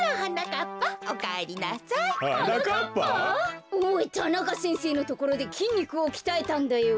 田中先生のところできんにくをきたえたんだよ。